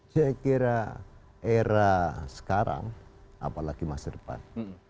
saya kira era sekarang apalagi masa depan